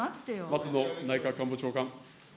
松野内閣官房長官。